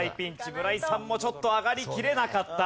村井さんもちょっと上がりきれなかった。